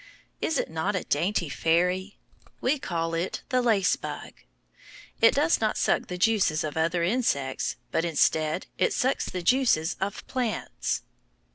Is it not a dainty fairy! We call it the lace bug. It does not suck the juices of other insects, but instead it sucks the juices of plants.